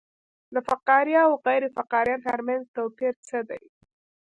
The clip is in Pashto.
د فقاریه او غیر فقاریه ترمنځ توپیر څه دی